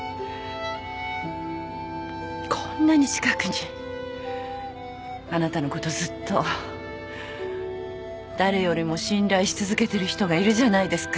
こんなに近くにあなたのことずっと誰よりも信頼し続けてる人がいるじゃないですか。